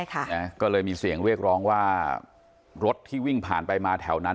ก็เลยมีเสียงเรียกร้องว่ารถที่วิ่งผ่านไปมาแถวนั้น